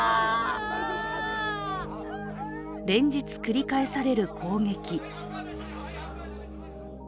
連日繰り返される攻撃。